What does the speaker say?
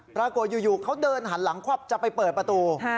ปรากฏอยู่เขาเดินหันหลังควับจะไปเปิดประตู